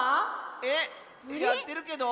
えっやってるけど。